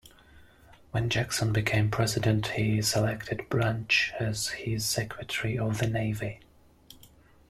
When Jackson became President, he selected Branch as his Secretary of the Navy.